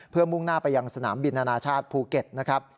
เพื่อมุ่งหน้าไปยังสนามบินอนาชาติภูเก็ตนะครับ